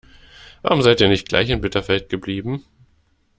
Warum seid ihr nicht gleich in Bitterfeld geblieben?